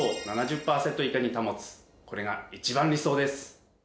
これが一番理想です。